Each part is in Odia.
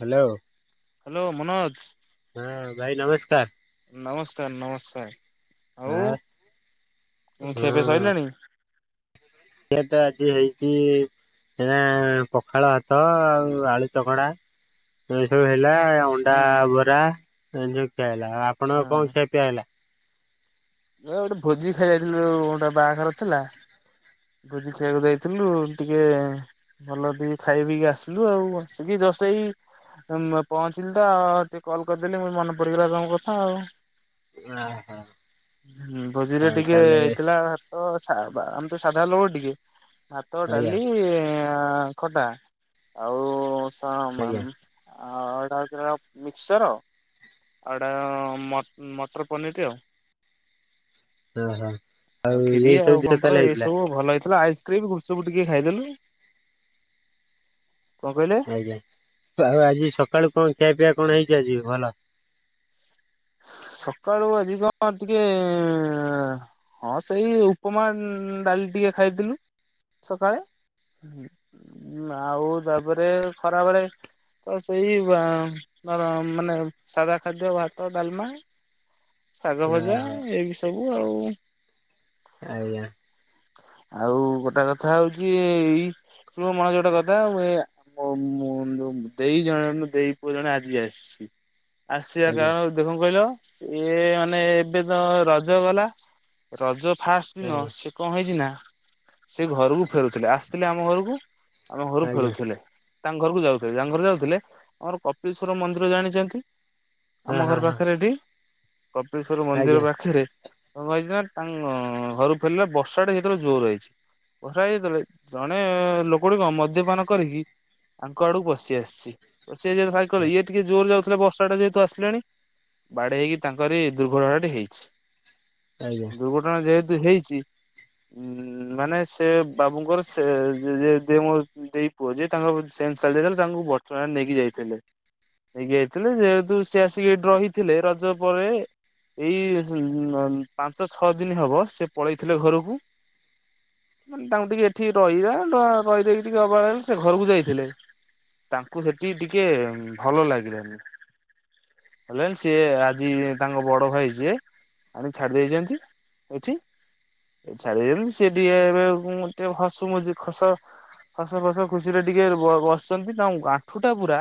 ହ୍ୟାଲୋ। ହ୍ୟାଲୋ ମନୋଜ। ହୁଁ ଭାଇ ନମସ୍କାର। ନମସ୍କାର ନମସ୍କାର ଆ ଆଉ କଣ ହଁ। ଖିଆ ପିଆ ସରିଲାଣି। ଏଟ ଆଜି ହେଇଛିି ହେଲା ପଖାଳ ଭାତ ଆଉ ଆଳୁ ଚକଡା ଏସବୁ ହେଲା। ଅଣ୍ଡା ହୁଁ ବରା ଏମନ୍ତି ଖିଆ ହେଲା ଆ ହଁ। ଏ ଗୋଟେ ଭୋଜି ଖାଇ ଯାଇଥିଲୁ ଗୋଟେ ବାହାଘର ଥିଲା। ଭୋଜି ଖାଇବାକୁ ଯାଇଥିଲୁ ଟିକେ ଭଲ ଦେଇ ଖାଇ ପିଇକି ଆସିଲୁ ଆଉ ବସିକି ଜଷ୍ଟ୍ ଏଇ। ପହଞ୍ଚିଲି ତ ଆଉ ଟିକେ କଲ କରିଦେଲି ମନେ ପଡିଗଲା ତମ କଥା ଆଉ। ଓହୋ ଭୋଜିରେ ହଁ ଟିକେ ତାହେଲେ ହେଇଥିଲା ତ ସା ବା ଆମେତ ସାଦା ଲୋକ ଟିକେ ଭାତ ଆଜ୍ଞା ଡାଲି ଆ ଖଟା ଆଉ ସା ମା ଆଜ୍ଞା ମା ଆଉ ଏଟା ହଉଛି ମିକ୍ସଚର। କାରଣ ମ-ମଟର ପନିର୍ ଟେ ଆଉ। ଓହୋ ଆଉ ଖିରି ଏଇ ସବୁ ଆଉ ଜିନିଷ ପାମ୍ପଡ ତାହେଲେ ଏଇ ହେଇଥିଲା ସବୁ ଭଲ ହେଇଥିଲା ଆଇସ୍ କ୍ରିମ୍ ଗୁପଚୁପ ଟିକେ ଖାଇଦେଲୁ। କଣ କହିଲେ? ଆଉ ଆଜି ସକାଳୁ କଣ ଖିଆ ପିଆ କଣ ହେଇଛି ଆଜି ଭଲ। ସକାଳୁ ଆଜି କଣ ଟିକେ ହଁ ସେଇ ଉପମା ଡାଲି ଟିକେ ଖାଇଥିଲୁ ସକାଳେ ଆଉ ତାପରେ ଖରାବେଳେ ତ ସେଇ ବା ମା-ମାନେ ସାଦା ଖାଦ୍ୟ ଭା ତ ଡ଼ାଲମା ଶାଗ ଭଜା ଓହୋ ଏଇ ସବୁ ଆଉ। ଆଜ୍ଞା। ଆଉ ଗୋଟେ କଥା ହଉଛି ଏଇ ଶୁଣ ମୁଁ ଆଯି ଗୋଟେ କଥା ଅ ମୋ ମୁ ଦେଇ ଜଣ ଦେଇ ପୁଅ ଜଣେ ଆଜି ଆସିଛି ଆସି ଆଜ୍ଞା କାରଣ ଦେଖ କଣ କହିଲ ଇଏ ମାନେ ଏବେ ତ ରଜ ଗଲା ରଜ ଫାଷ୍ଟ ଦିନ ଆଜ୍ଞା ସେ କଣ ହେଇଛି ନା ସେ ଘରକୁ ଫେରୁଥିଲେ ଆସିଥିଲେ ଆମ ଘରକୁ ଆମ ଘରକୁ ଆଜ୍ଞା ଫେରୁଥୁଲେ, ତାଙ୍କ ଘରକୁ ଯାଉଥୁଲେ, ତାଙ୍କ ଘର ଯାଉଥୁଲେ, ଆମର କପିଳେଶ୍ଵର ମନ୍ଦିର ଜାଣିଛନ୍ତି? ହଁ ଆମ ହଁ ଘର ହଁ ପାଖରେ ଏଠି କପେଳଶ୍ଵର ମନ୍ଦିର ଆଜ୍ଞା ପାଖେରେ କଣ ହେଇଚି ନା ତାଙ୍କ ଘରୁ ଫେରିଲେ ବର୍ଷା ଟା ସେତେବେଳେ ଜୋର ରହିଚି ବର୍ଷା ହେଇଚି ଯେତେବେଳେ ଜଣେ ଲୋକ ଗୁଡିକ ମଦ୍ୟପାନ କରିକି ତାଙ୍କ ଆଡ଼କୁ ପସିଆସିଛି ପସିଆସିଚି ଯେତେବେଳେ ସାଇକେଲ୍ ଇଏ ଟିକେ ଜୋର ଯାଉଥିଲେ ବର୍ଷାଟା ଯେହେତୁ ଆସି ଲାଣି ବାଡ଼େଇହେଇକି ତାଙ୍କରି ଦୁର୍ଘଟଣା ଟି ହେଇଚି। ଆଜ୍ଞା। ଦୁର୍ଘଟଣା ଯେହେତୁ ହେଇଚି। ହୁଁ ମାନେ ସେ ବାବୁଙ୍କର ସେ ଯେ ଯେଦି ମୋର ଦେଇ ପୁଅ ଯେ ତାଙ୍କ ସେନ୍ସେ ଚାଲିଯାଇଥିଲା ତାଙ୍କୁ ବଡ଼ଚଣା ନେଇକି ଯାଇଥିଲେ। ନେଇକି ଯାଇଥିଲେ ଯେହେତୁ ସେ ଆସିକି ଏଠି ରହିଥିଲେ ରଜ ପରେ ଏଇ ପାଞ୍ଚ ଛଅ ଦିନ ହବ ସେ ପଳେଇଥିଲା ଘରକୁ ମାନେ ତାଙ୍କୁ ଟିକେ ଏଠିକି ରହିବା ରହିଦେଇକି ଟିକେ ଅବାଗିଆ ସେ ଘରକୁ ଯାଇଥିଲେ ତାଙ୍କୁ ସେଠି ଟିକେ ଭଲ ଲାଗିଲାନି ଭଲ ଲାଗେନି ସିଏ ଆଜି ତାଙ୍କ ବଡ଼ ଭାଇ ଯିଏ ଆଣିକି ଛାଡ଼ି ଦେଇଛନ୍ତି ଏଠି ଏ ଛାଡିଦେଇଚନ୍ତି ସେ ଟିକେ ଏବେ ଟିକେ ହସୁ ମୁୁ ଖସ ହସ ଖୁସ ଖୁସିରେ ଟିକେ ବସିଛନ୍ତି ତାଙ୍କ ଆଣ୍ଠୁ ଟା ପୁରା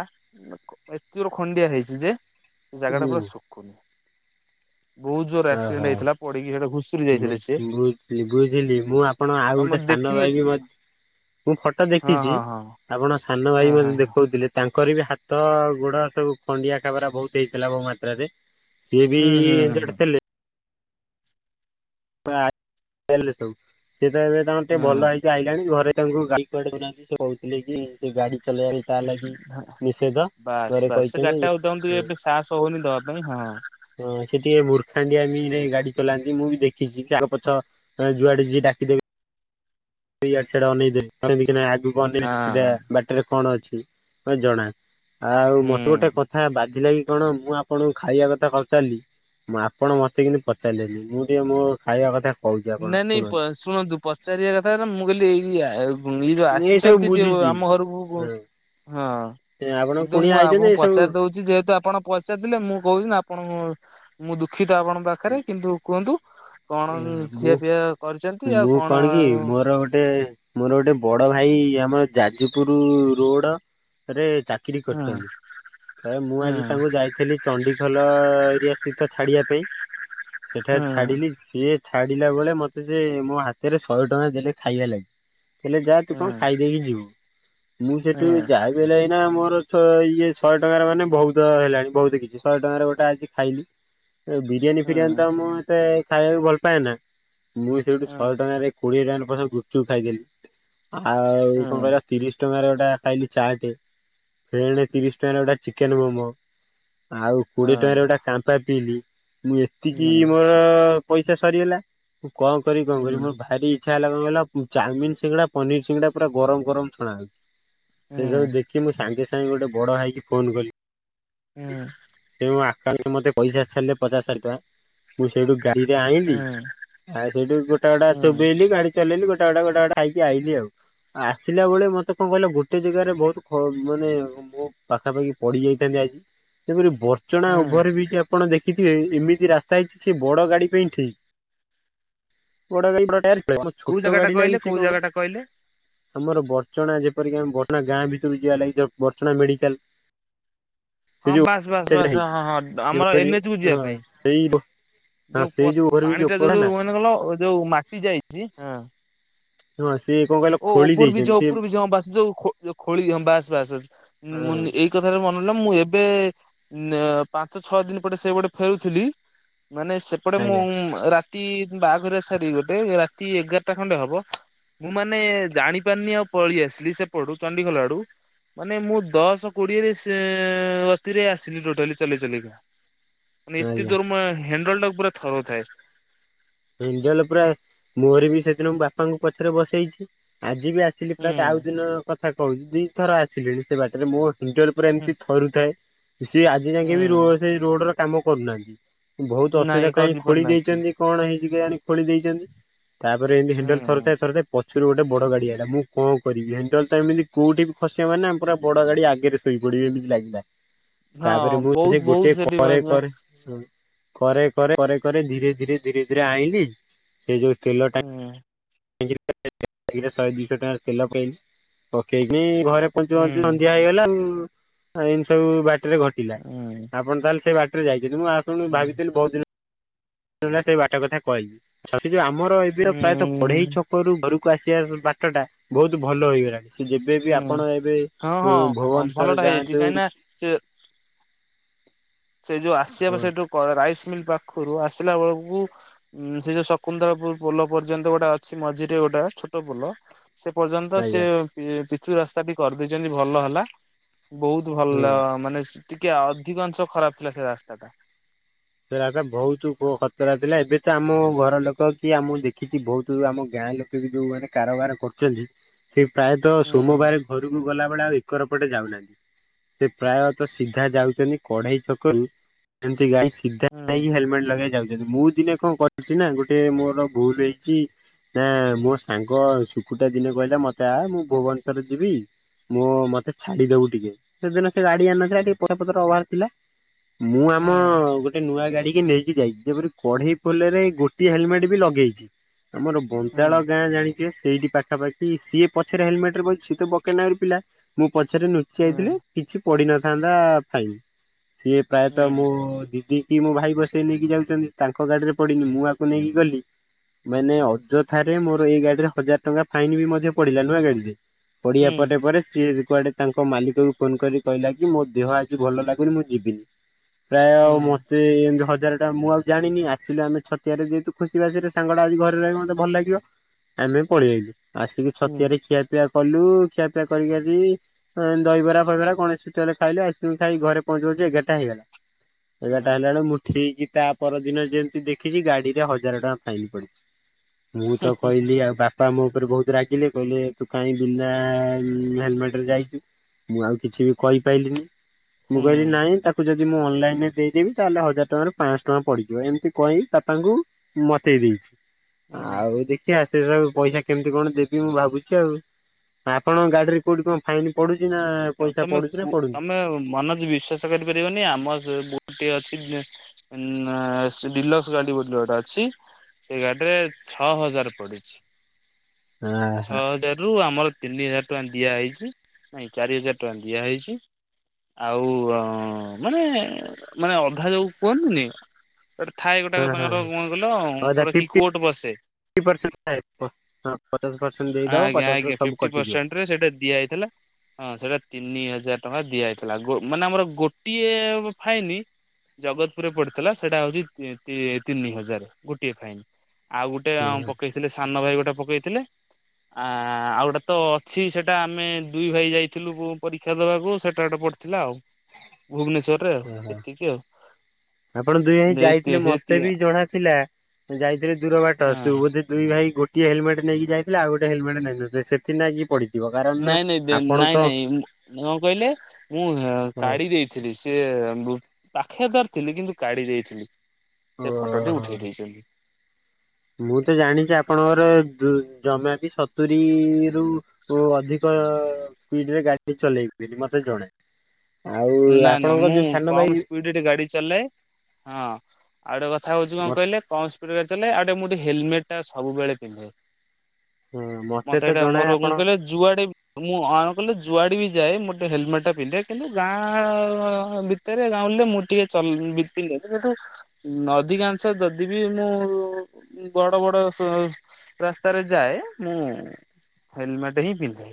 ଏତେଯୋରେ ଖଣ୍ଡିଆ ହେଇଚି ଯେ ସେ ଜାଗାଟା ହୁଁ ପୁରା ଶୁଖୁନି ବହୁତ ଜୋର ଆକ୍ସିଡେଣ୍ଟ ଓହୋ ହେଇଥିଲା ପଡିକି ସେଟା ଘୁଷୁରି ବୁଝ ଯାଇଥିଲେ ସିଏ। ବୁଝି ବୁଝିଲି ମୁଁ ଆପ ଆପଣ ଆଉ ତମ ଗୋଟେ ସାନ ଦେଖିଲେ ଭାଇ ବି ମୁଁ ଫଟୋ ହଁ ଦେଖିଚି ହଁ ହଁ ଆପଣଙ୍କ ସାନ ହଁ ଭାଇ ହଁ ମୋତେ ହଁ। ଦେଖଉଥିଲେ? ତାଙ୍କର ବି ହାତ ଗୋଡ଼ ସବୁ ଖଣ୍ଡିଆ ଖାବରା ବହୁତ ହେଇଥିଲା ମୋ ମାତ୍ରାରେ ସେଏ ବି ହୁଁ ହୁଁ ହୁଁ ହୁଁ। [unintelligible] ସବୁ ସେଏ ତ ଏବେ ତାଙ୍କର ଟିକେ ଭଲ ହୁଁ ହେଇକି ଆଇଲାଣି ଘରେ ତାଙ୍କୁ ଗାଲି ଚଡ଼େଇ ଦୋଉନାହାନ୍ତି ସେ କହୁଥିଲେ କି ସେ ଗାଡ଼ି ଚଲେଇବା ପାଇଁ ତା ଲାଗି ନିଷେଧ। ବାସ୍ ଘରେ ବାସ୍ ସେ କହିଛନ୍ତି ଗାଡ଼ିଟା ଆଉ ତାକୁ ଟିକେ ଏବେ ସାହାସ ହଉନି ଦବା ପାଇଁ ହଁ ହଁ ସେ ଟିକେ ମୁର୍ଖାଣ୍ଡିଆ ବି ଗାଡ଼ି ଚଲାନ୍ତି ମୁଁ ବି ଦେଖି କିଛି କ ଆଗ ପଛ ଯୁଆଡ଼େ ଯିଏ ଡାକିଦେବେ ଇଆଡ଼େ ସିଆଡେ ଅନେଇଦେଲି ତେଣୁ ଆଗକୁ ନେଇନି ସିଧା ହଁ। ବାଟରେ କଣ ଅଛି ମତେ ଜଣା ଆଉ ମତେ ଗୋଟେ ହୁଁ। କଥା ବାଧିଲା କି କଣ ମୁଁ ଆପଣଙ୍କୁ ଖାଇବା କଥା କହିଚାଲିଲି ମୁଁ ଆପଣ ମତେ କିନ୍ତୁ ପଚାରିଲେନି ମୁଁ ଟିକେ ମୋ ଖାଇବା କଥା କହୁଛି ଆପଣଙ୍କୁ ନାଇଁ ନାଇଁ ପ ଶୁଣନ୍ତୁ ପଚାରିବା କଥା ନା ମୁଁ କହିଲି ଏଇ ଇଏ ଯୋଉ ମୁଁ ଏଇ ସବୁ ଆସିଛନ୍ତି ଯଉ ବୁଝୁଛି। ଆମ ଘରକୁ ହଁ ଆପଣ କିନ୍ତୁ କୁଣିଆ ମୁଁ ଆଇଛନ୍ତି ଆପଣଙ୍କୁ ଏ ସବୁ ପଚାରି ଦଉଚି ଯେହେତୁ ଆପଣ ପଚାରିଥିଲେ ମୁଁ କହୁଛିି ଆପଣଙ୍କୁ ମୁଁ ଦୁଃଖିତ ଆପଣଙ୍କ ପାଖ ପାଖରେ କିନ୍ତୁ କୁହନ୍ତୁ କଣ ଖିଆ ମୁଁ ପିଆ କରିଛନ୍ତି ଆଉ ମୁଁ କଣ କି ଆଉ ମୋର ଗୋଟେ ମୋର ଗୋଟେ ବଡ଼ ଭାଇ ଆମ ଯାଜପୁର ରୋଡ଼ରେ ଚା କରି ହୁଁ। କରିଛନ୍ତି। କାଇଁ ମୁଁ ଆଜି କୋଉ ତାଙ୍କୁ ଯାଇଥିଲି ଚଣ୍ଡିଖୋଲ ଏରିଆ ସେଇଠି ତ ଛାଡିବା ପାଇଁ ସେଠାରେ ଛାଡିଲି ସିଏ ଛାଡିଲା ବେଳେ ମତେ ସେ ମୋ ହାତରେ ଶହେ ଟଙ୍କା ଦେଲେ ଖାଇବା ଲାଗି ହେଲେ ଯା ତୁ କଣ ଖାଇଦେଇକି ଯିବୁ ମୁଁ ସେଠୁ ଯାହା ବିହେଲେ ନା ମୋର ଶହେ ଇଏ ଶହେ ଟଙ୍କାର ମାନେ ବହୁତ ହେଲାଣି ବହୁତ କିଛି ଶହେ ଟଙ୍କାରେ ଗୋଟେ ଆଜି ଖାଇଲି ବିରିୟାନୀ ଫିରିୟାନୀ ତ ମୁଁ ଏତେ ଖାଇବାକୁ ଭଲ ପାଏ ନା ମୁଁ ସେଇଠୁ ଶହେ ଟଙ୍କାରେ - କୋଡିଏ ଟଙ୍କାର ପଛେ ଗୁପଚୁପ୍ ଖାଇଦେଲି ଆଉ କଣ କହିଲ ତିରିଶ ଟଙ୍କାର ଗୋଟେ ଖାଇଲି ଚାଟେ ଫେଣେ ତିରିଶ ଟଙ୍କାରେ ଗୋଟେ ଚିକେନ୍ ମୋମୋ ଆଉ କୋଡିଏ ଟଙ୍କାରେ ଗୋଟେ କାମ୍ପା ପିଇଲିି ମୁଁ ଏତିକି ମୋର ପଇସା ସରିଗଲା ମୁଁ କଣ କରି କଣ କରିବି ମୋର ଭାରି - ଇଛା ହେଲା କଣ କହିଲ ଚାଉମିନ ସିଙ୍ଗଡା ପନିର ସିଙ୍ଗଡା ପୁରା ଗରମ ଗରମ ଛଣା ହେଉଛି ସେ ସବୁ ଦେଖି ମୁଁ ସାଙ୍ଗେ ସାଙ୍ଗେ ଗୋଟେ ବଡ ଭାଇକି ଫୋନ କଲି ସେ ମୋ ଆକାଉଣ୍ଟ କୁ ମତେ ପଇସା ଛାଡିଲେ ପଚାଶ ଷାଠି ଟଙ୍କା ମୁଁ ସେଇଠୁ ଗାଡିରେ ଆଣିଲି ଆ ସେଇଠୁ ଗୋଟା ଗୋଟା ଚୋବେଇଲି ଗାଡି - ଚଲେଇଲି ଗୋଟା ଗୋଟା ଗୋଟା ଗୋଟା ଖାଇକି ଆଇଲି ଆଉ। ଆସିଲା ବେଳେ ମତେ କଣ କହିଲ ଗୋଟେ ଜାଗାରେ ବହୁତ [inaudible] ମାନେ - ମୁଁ ପାଖାପାଖି ପଡି ଯାଇଥାନ୍ତି ଆଜି ସେପରି ବର୍ଚ୍ଚଣା ଓଭର ବ୍ରିଜ୍ ଆପଣ ଦେ ଖିଥିବେ ଏମିତି ରାସ୍ତା ହେଇଛି ସେ ବଡ଼ ଗାଡି ପାଇଁ ଠିକ୍। ବଡ ଗାଡି ବଡ଼ ଟାୟାର ପଲେଇବ ଆମ ଛୋଟ ଜାଗା ଟା ଗାଡି କହିଲେ ଲାଗି ସେ କୋଉ କଣ ଜାଗା ଟା କହିଲେ [unintelligible] ଆମର ବର୍ଚ୍ଚଣା ଯେପରିକି ଆମ ବର୍ଚ୍ଚଣା ଗାଁ ଭିତକୁ ଯିବା ଲାଗି ଯୋଉ ବର୍ଚ୍ଚଣା ମେଡିକାଲ ସେ ହଁ ଯୋଉ ବାସ୍ ବାସ୍ ସେଇଟା ବାସ୍ ହଁ ହେଇଛି ହଁ ହଁ ଆମର ଯେପରି ଏନ୍ଏଚକୁୁ ଯିବା ହଁ ପାଇଁ ସେଇ ରୋ- ହଁ ଯୋଉ ସେଇ [unintelligible] ଓଭର ବ୍ରିଜ୍ ପାଣି ଟା ଉପର ଯୋଉ ନା କଣ କହିଲ ଯୋଉ ମାଟି ଯାଇଛି ହଁ ହଁ ସିଏ କଣ କହିଲେ? ଓ ଓଭର ବ୍ରିଜ୍ ଯୋଉ ଉପରକୁ ବ୍ରିଜ୍ ହଁ ବାସ ଯୋଉ ଖୋ ଯୋଉ ଖୋଳିକି‌ ହଁ ବାସ ବାସ ହଁ [unintelligible] ସେ କଥାରେ ମନେ ମୁଁ ଏବେ ପାଞ୍ଚ ଛଅ ଦିନ ପରେ ସେ ପଟେ ଫେରୁଥିଲି ମାନେ ସେପଟେ ମୁଁ ଆଜ୍ଞା ରାତି ବାହାଘର ସାରି ଗୋଟେ ରାତି ଏଗାରଟା ଖଣ୍ଡେ ହବ ମୁଁ ମାନେ ଜାଣି ପାରିନି ଆଉ ପଳେଇ ଆସିଲି ସେପଟୁ ଚଣ୍ଡିଖୋଲ ଆଡୁ। ମାନେ ମୁଁ ଦଶ କୋଡିଏରେ ସେ ଗତିରେ ଆସିଲି ଟୋଟାଲି ଚଲେଇ ଚଲେଇକି। ମନେ ଏତେ ଆଜ୍ଞା। ଜୋର ମୋ ହାଣ୍ଡଲଟାକୁ ପୁରା ଥରଉ ଥାଏ। ହାଣ୍ଡେଲ ପୁରା ମୋର ବି ସେଦିନ ବାପାଙ୍କୁ ପଛରେ ବସେଇଛି ଆଜି ବି ଆସି ସିଲି ତା ପର ହୁଁ ଦିନ କଥା କହୁଛି ଦିଇଥର ଆସିଲେଣି ସେ ବାଟରେ ମୁଁ ହାଣ୍ଡେଲ ପୁରା ହୁଁ ଏମିତି ଥରୁଥାଏ ସିଏ ଆଜି ଯାଇଁକା ବି ହୁଁ ରୋଡ ସେ ରୋଡ ର କାମ କରୁନାହାନ୍ତି। ବହୁତ ଅସୁବିଧା ନାଇଁ କାହିଁକି ଖୋଳି କରିପାରୁନାହିଁ। ଦେଇଛନ୍ତି କଣ ହେଇଛି କେଜାଣି ଖୋଳି ଦେଇଛନ୍ତି। ତାପରେ ଇନ୍ତି ହାଣ୍ଡେଲ ହୁଁ ଥରୁଥାଏ ଥରୁଥାଏ। ପଛୁରୁ ଗୋଟେ ବଡ ଗାଡି ଆଇଲା ମୁଁ କଣ କରିବି ହାଣ୍ଡେଲଟା ଏମିତି କୋଉଠି ବି ଖସିିବ ମାନେ ଆମେ ପୁରା ବଡ ଗାଡି ଆଗରେ ଶୋଇ ପଡିବେ ବୋଲି ଲାଗିଲା। [inaudible] ତାପରେ ମୁଁ ବହୁତ ସେ ବହୁତ ଗୋଟେ ସେଠି କରେ ହୁଁ କରେ କରେ କରେ କରେ କରେ ଧୀରେ ଧୀରେ ଧୀରେ ଧୀରେ ଆଇିଁଲି ସେ ଯୋଉ ତେଲ ହୁଁ। ଟା [unintelligible] ଶହେ ଦିଶହ ଟଙ୍କାର ତେଲ ପାଇଲି ପକେଇକି ଘରେ କଞ୍ଚୁଞ୍ଚ ହୁଁ ସନ୍ଧ୍ୟା ହେଇଗଲା ଏମି ସବୁ ବାଟରେ ଘଟିଲା ହୁଁ ଆପଣ ତାହେଲେ ସେ ବାଟ ଯାଇଛି ମୁଁ ଶୁ ଭାବିଥିଲି ବହୁତ ଦିନ ସେଇ ବାଟ କଥା କହିିବି। ସେ ଯୋଉ ଆମର ଏବେ ପ୍ରାୟତଃ କଢେଇ ହୁଁ ଛକରୁୁ ଘରକୁ ଆସିବା ବାଟ ଟା ବହୁତ ଭଲ ହେଇଗଲାଣି। ସେ ଯେବେ ବି ଆପଣ ଏବେ ହଁ ହଁ ହଁ ଭୁବନେଶ୍ଵର ଭଲଟା ହେଇଯାଇଛି ଯାଆନ୍ତୁ କାହିଁକି କି ନା ସେ ସେ ଯୋଉ ଆସିବା ବା ହଁ ସେଇଠୁ କଣ ରାଇସ ମିଲ୍ ପାଖରୁ ଆସିଲା ବେଳକୁ ଉଁ ସେ ଯୋଉ ଶକୁନ୍ତଳାପୁର ପୋଲ ପର୍ଯ୍ୟନ୍ତ ଗୋଟେ ଅଛି ମଝିରେ ଗୋଟେ ଛୋଟ ପୋଲ ସେ ପର୍ଯ୍ୟନ୍ତ ସେ ଆଜ୍ଞା ପିଚୁ ରାସ୍ତା ବି କରିଦେଇଛନ୍ତି ଭଲ ହେଲା। ବହୁତ ହୁଁ। ଭଲ ମାନେ ସେ୍ ଟିକେ ଅଧିକାଂଶ ଖରାପ ଥିଲା ସେ ରାସ୍ତା ଟା। ବହୁତ ଖଚରା ଥିଲା ଏବେ ତ ଆମ ଘର ଲୋକ କି ଆମଁ ଦେଖିଛି ବହୁତ ଆମ ଗାଁ ଲୋକ ଯୋଉମାନେ କାରବାର କରୁଛନ୍ତି ସେ ପ୍ରାୟତଃ ହୁଁ ସୋମବାର ଘରକୁ ଗଲାବେଳେ ଆଉ ର ପଟେ ଯାଉନାହାନ୍ତି। ସେ ପ୍ରାୟତ ସିଧା ଯାଉଛନ୍ତି କଢେଇ ଛକରୁ ସେମତି ଗାଈ ସିଧା ହୁଁ ଯାଇକି ହେଲମେଟ ଲଗେଇ ଯାଉଛନ୍ତି ମୁଁ ଦିନେ କଣ କରଛି ନା ଗୋଟେ ମୋର ଭୁଲ ହେଇଛି ନା ମୋ ସାଙ୍ଗ ଶଖଟା ଦିନେ କହିଲେ ମତେ ଆ ମୁଁ ଭୁବନେଶ୍ୱରରେ ଯିବି ମୁଁ ମତେ ଛାଡିଦବ ଟିକେ ସେଦିନ ସେ ଗାଡି ଆଣନଥିଲା ଟିକେ ପଛ ପଥର ଅଭାର ଥିଲା ମୁଁ ଆମ ହୁଁ ଗୋ ନୂଆ ଗାଡି କି ନେଇକି ଯାଇଛି ଯେପରି କଢେଇ ଫଲରେ ଗୋଟିଏ ହେଲମେଟ ବି ଲଗେଇଛି ଆମର। ହୁଁ ବନ୍ତାଳ ଗାଁ ଜାଣି ସିଏ ସେଇଠି ପାଖାପାଖି ସିଏ ପଛରେ ହେଲମେଟରେ ବଇଛି। ସେ ତ ବକେଟ ନାଖୁର ପିଲା ମୁଁ ପଛରେ ନୁହେଁ ସିଏ ହୁଁ ହେଇଥିଲେ କିଛି ପଢିନଥାନ୍ତା ଫାଇନ। ସିଏ ପ୍ରାୟତଃ ହୁଁ ମୋ ଦିଦି କି ମୋ ଭାଇ ବସେଇ କି ନେଇକି ଯାଉଚନ୍ତି ତାଙ୍କ ଗାଡିରେ ପଡିନି। ମୁଁ ଆକୁ ନେଇକି ଗଲି। ମାନେ ଅଯଥାରେ ମୋର ଏଇ ଗାଡିରେ ହଜାର ଟଙ୍କା ଫାଇନ୍ ବି ମଧ୍ୟ ପଡିଲା ନୁଆଁ ଗାଡିରେ। ହୁଁ ପଡିଆ [unintelligible] ପରେ ପରେ ସିଏ କୁଆଡେ ତାଙ୍କ ମାଲିକକୁ ଫୋନ୍ କରି କହିଲା କି ମୋ ଦେହ ଆଜି ଭଲ ଲାଗୁନ ମୁଁ ଯିବିନି। ପ୍ରାୟ ହୁଁ ଆଉ ମୁଁ ସେ ଏମତି ହଜାରଟା ମୁଁ ଆଉ ଜାଣିନି ଆସିଲେ ଆମେ ଛତିଆରେ ଯେହେତୁ ଖୁସି ବାସିରେ ସାଙ୍ଗଟା ଆଜି ଘରେ ରହିବ ମୋତେ ଭଲ ଲାଗିବ। ଆମେ ପଳେଇ ଆାଇଲୁ ଆସିକି ହୁଁ ଛତିଆରେ ଖିଆପିଆ କଲୁ ଖିଆପିଆ କରିକ ଆଜି ଏଁ ଦହିବରା ଫହିବରା କଣ ଗଣେଶରେ ଖାଇଲେ ଆଇସ୍କ୍ରିମ୍ ଖାଇ ଘରେ ପହଞ୍ଚଚୁ ପହଞ୍ଚୁଚୁ ଏଗାରଟା ହେଇଗଲା। ଏଗାଟା ହେଲା ବେଳୁ କୁ ମୁଁ ଠିକ୍ ତାପର ଦିନ ଯେମିତି ଦେଖିଚି ଗାଡିରେ ହଜାର ଟଙ୍କା ଫାଇନ୍ ପଡିଚି। ମୁଁ ତାକୁ କହିଲି ଆଉ ବା ପା ମୋ ଉପରେ ବୋହୁତ ରାଗିଲେ କହିଲେ। ତୁ କାହିଁ ବିନା ହେଲେମେଟରେ ଯାଇଚୁ। ମୁଁ ଆଉ କିଛି ବି କହିପାଇଲିନି। ମୁଁ ହୁଁ କହିଲି ନାଇଁ ତାକୁ ଯଦି ମୁଁ ଅନଲାଇନରେ ଦେଇ ଦେମି ତାହେଲେ ହଜାର ଟଙ୍କାରୁ ପାଂଶ ଟଙ୍କା ପଡିଯିବ ଏମିତି କହିି ବାପାଙ୍କୁ ମତେଇ ଦେଇଛି। ହୁଁ ହୁଁ ଆଉ ଦେଖିଆ ସେ ସବୁ ପଇସା କେମିତି କଣ ଦେବି ମୁଁ ଭାବୁଚି ଆଉ। ଆପଣଙ୍କ ଗାଡିରେ କୋଉଠି କଣ ଫାଇନ୍ ପଡୁଚି ନା ପଇସା ପଡୁଚି ନା ପଡୁନି। ମନଜ ବିଶ୍ୱାସ ଚାଷ କରିପାରିବନି ଆମର ସେ ବୁଟି [unintelligible] ଅଛି। ନା ସେ ଡିଲକ୍ସ ଗାଡି ଗୋଟେ [unintelligible] ଅଛି। ସେଇ ଗାଡିରେ ଛଅ ହଜାର ପଡିଛି। ଆହା। ଛଅ ହଜାରରୁୁ ଆମର ତିନି ହଜାର ଟଙ୍କା ଦିଆହେଇଛି ନାଇଁ ଚାରି ହଜାର ଟଙ୍କା ଦିଆହେଇଛି। ଆଉ ଅ ମାନେ ମାନେ ଅଧା ଯୋଉ କୁହନ୍ତିନି। ଗୋଟେ ଥାଏ ହଁ ଗୋଟାକ ହଁ ତାଙ୍କର ହଁ କଣ କହିଲ ଗୋଟେ କି କୋର୍ଟ ବସେ। ଫିଫଟି ପରସେଣ୍ଟ ଥାଏ ପ ହଁ। ପଚାଶ ପରସେଣ୍ଟ ଦେଇଦବ ଆଜ୍ଞା ପଚାଶ ଆଜ୍ଞା ସବୁ ଫିଫଟି କଟିଯିବ। ପରସେଣ୍ଟରେ ସେଇଟା ଦିଆଯାଇଥିଲା। ହଁ ସେଇଟା ତିନି ହଜାର ଟଙ୍କା ଦିଆଯାଇଥିଲା ଗୋ ମାନେ ଆମର ଗୋଟିଏ ବୋ ଫାଇନ୍ ଜଗତପୁରରେ ପଡିଥିଲା ସେଇଟା ହୋଉଚି ତି-ତି- ତିନି ହଜାର ଗୋଟିଏ ଫାଇନ୍। ଆଉ ଗୋଟେ ହଁ ଆଉଁ ପକେଇଥିଲେ ସାନ ଭାଇ ଗୋଟେ ପକେଇଥିଲେ। ଆ ଆଉ ଗୋଟେ ତ ଅଛି ସେଇଟା ଆମେ ଦୁଇ ଭାଇ ଯାଇଥିଲୁ ପୋ ପରୀକ୍ଷା ଦେବାକୁ ସେଟା ଗୋଟେ ପଡି ଥିଲା ଆଉ ଭୁବନେଶ୍ଵରରେ ଆଉ ହଁ। ଏତିକି ଆଉ। ଆପଣ ଦୁଇ ଭାଇ ଯାଇଥିଲେ ମତେ ବି ଜଣା ଥିଲା ଯାଇଥିଲେ ଦୂର ବାଟ। ତୁ ହଁ ବୋଧେ ଦୁଇ ଭାଇ ଗୋଟି ହେଲମେଟ୍ ନେଇକି ଯାଇଥିଲେ ଆଉ ଗୋଟ ହେଲମେଟ୍ ନେଇ ନଥିଲେ ସେଥିନାଗି ପଡି ନାଇଁ ନାଇଁ ବେ ନାଇଁ ନାଇଁ ଉଁ କଣ କହିଲେ ମୁଁ କାଢି ଦେଇ ଥିଲି। ସିଏ ବୁ ପାଖେରେ ଧରିଥିଲି କିନ୍ତୁ କାଢି ଦେଇଥିଲି। ଓ ସେ ଫଟଟି ଉଠେଇ ଦେଇଚନ୍ତି। ମୁଁ ତ ଜାଣିଚି ଆପଣଙ୍କର ଦୂ ଜମା ବି ସତୁୁରୀରୁୁ ଅଧିକ ସ୍ପିଡରେ ଗାଡି ଚଲେଇବେନି ମତେ ଜଣା। ଆଉ ନାଇଁ ନାଇଁ ଆପଣଙ୍କ ମୁଁ ଯୋଉ ସାନ ଭାଇ କମ୍ ସ୍ପିଡରେ ଗାଡି ଚଲାଏ। ହଁ ଆଉ ଗୋଟେ କଥା ହୋଉଚି କଣ କହିଲେ। କମ୍ ସ୍ପିଡରେ ଚାଲେ ଆଉ ଟିକେ ମୁଁ ଟିକେ ହେଲମେଟ୍ ଟା ସବୁବେଳେ ପିନ୍ଧେ। ମତେ ତ ଏଇଟା ଜଣା ମୋର ମୁଁ ଆପଣ କହିଲେ ଯୁଆଡେ ମୁଁ [unintelligible] କଲେ ଯୁଆଡେ ବି ଯାଏ ମୁଁ ଟିକେ ହେଲମେଟ୍ ଟା ପିନ୍ଧେ କିନ୍ତୁ ଗାଁ ଭିତରେ ଗାଁଉଲିରେ ମୁଁ ଟିକେ ଚ [unintelligible] ଉଁ ଅଧିକାଂସ ଯଦି ବିି ମୁଁ [unintelligible] ବଡ ବଡ ସ ରାସ୍ତାରେ ଯାଏ ମୁଁ ହେଲମେଟ ହିଁ ପିନ୍ଧେ।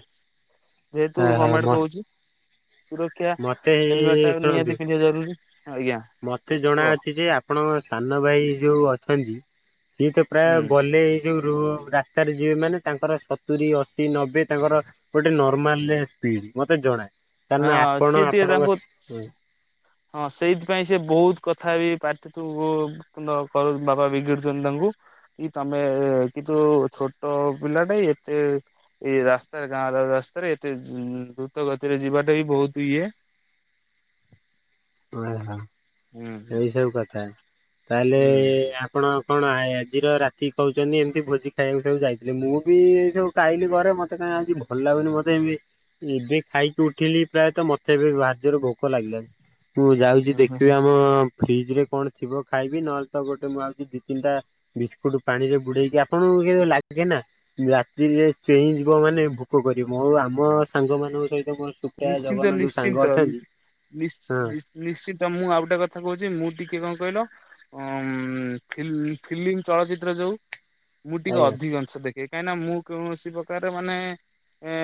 ଯେହେତୁ ଗମେଣ୍ଟ କହୁଛି। ଆଜ୍ଞା ମତେ ହେଲମେଟ୍ ଟା ଶୁଣନ୍ତୁ ନିହାତି ପିନ୍ଧିବା ଜରୁରୀ ଆଜ୍ଞା। ମତେ ଜଣା କୁହ ଅଛି ଯେ ଆପଣଙ୍କ ସାନ ଭାଇ ଯୋଉ ଅଛନ୍ତି ସିଏ ତ ହୁଁ ପ୍ରାୟ ଗଲେ ଏଇ ଯୋଉ ରୋ ରାସ୍ତାରେ ଯିବେ ମାନେ ତାଙ୍କର ସ ସତୁରି ଅଶୀ ନବେ ତାଙ୍କର ଗୋଟେ ନର୍ମାଲରେ ସ୍ପିଡ ମତେ ଜଣା। ହଁ କାରଣ ଆପଣ ସିଏ ଟିକେ ଆପଣଙ୍କ ତାଙ୍କୁ ହଁ ସେଇଥିପାଇଁ ସେ ବହୁତ କଥା ବି ପାଟି ତୁ ତୁଣ୍ଡ କର ବାବା ବିଗିଡୁଛନ୍ତି ତାଙ୍କୁ। କି ତମେ କିନ୍ତୁ ଛୋଟ ପିଲାଟା ଏତେ ଏଇ ରାସ୍ତାରେ ଗାଁ ରାସ୍ତାରେ ଏତେ ଦ୍ରୁତ ଗତିରେ ଯିବାଟା ବି ବହୁତ ଇଏ। ଓହୋ ହୁଁ ହୁଁ ଏଇ ସବୁ କଥା ତାହେଲେ ହୁଁ। ଆ ଆପଣ କଣ ଆଜିର ରାତି କହୁଛନ୍ତି ଏମିତି ଭୋଜି ଖାଇବାକୁ ଖାଇବାକୁ ଯାଇଥିଲି ମୁଁ ବି ଏ ସବୁ ଖାଇଲି ଘରେ ମତେ କାଇଁ ଆଜି ଭଲ ଲାଗୁନି ମତେ ଏମତି ଏବେ ଖାଇକି ଉଠିଲି ପ୍ରାୟତ ମତେ ଏବେ ଭାରି ଜୋରରେ ଭୋକ ଲାଗିଲାନି। ମୁଁ ଯାଉଛି ହୁଁ ହୁଁ ଦେଖିବି ହୁଁ ଆମ ଫ୍ରିଜ ରେ କଣ ଥିବ ଖାଇବି ନହେଲେ ତ ଗୋଟେ ମୁଁ ଭାବୁଛି ଦି ତିନିଟା ବିସ୍କୁଟ ପାଣି ରେ ବୁଡେଇକି ଆପଣଙ୍କୁ କେବେ ଲାଗେ ନା ରାତିରେ ଚେଇଁ ଯିବ ମାନେ ଭୋକ କରିବ ଆଉ ଆମ ସାଙ୍ଗ ମାନଙ୍କ ସହିତ ବ ସୁପିୟା ଜଗନ୍ନ ଯୋଉ ସାଙ୍ଗ ଅଛନ୍ତି। ହଁ ନିଶ୍ଚି ନିଶ୍ଚ ନିଶ୍ଚିତ ମୁଁ ଆଉ ଗୋଟେ କଥା କହୁଛି ମୁଁ ଟିକେ କଣ କହିଲ ଅମ ଫିଲ ଫିଲ୍ମ ଚଳଚିତ୍ର ଯୋଉ ମୁଁ ଟିକେ ଆଜ୍ଞା ଅଧିକ। ଆଛ ଦେଖେ କାହିଁକନା ମୁଁ କୌଣସି ପ୍ରକାର ମାନେ ଏ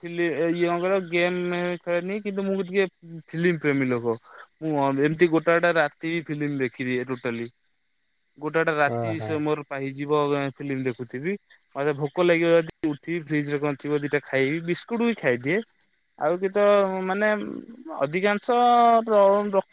ଫିଲି ଇଏ କଣ କହିଲ ଗେମ୍ ଖେଳେନି କିନ୍ତୁ ମୁଁ ବି ଟିକେ ଫିଲ୍ମ ପ୍ରେମୀ ଲୋକ। ମୁଁ ଏମିତି ଗୋଟା ଗୋଟା ରାତି ବି ଫିଲ୍ମ ଦେଖିଦିଏ ଟୋଟାଲି। ଗୋଟେ ଗୋଟା ରାତି ଓହୋ। ସ ମୋର ପାଇଯିବ ଫିଲ୍ମ ଦେଖୁଥିବି। ମୋତେ ଭୋକ ଲାଗିବି ଯଦି ଉଠିବି ଫ୍ରିଜ ରେ କଣ ଥିବ ଦିଟା ଖାଇବି ବିସ୍କୁଟ ବି ଖାଇଦିଏ। ଆଉ କି ତ ମାନେ ଅଧିକାଂଶ ପ୍ର